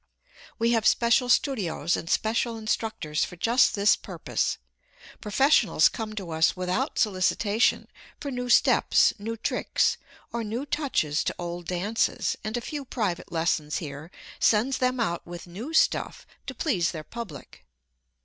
We have special studios and special instructors for just this purpose. Professionals come to us without solicitation, for new steps, new tricks, or new touches to old dances, and a few private lessons here sends them out with new stuff to please their public.